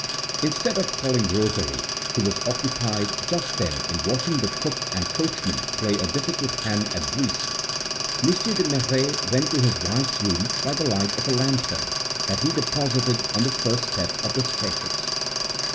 Instead of calling Rosalie, who was occupied just then in watching the cook and coachman play a difficult hand at brisque, Monsieur de Merret went to his wife's room by the light of a lantern that he deposited on the first step of the staircase.